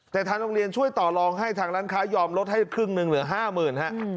แต่ทางโรงเรียนช่วยต่อลองให้ทางร้านค้ายอมลดให้ครึ่งหนึ่งเหลือ๕๐๐๐ฮะ